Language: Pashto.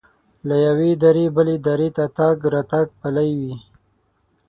له یوې درې بلې درې ته تګ راتګ پلی وي.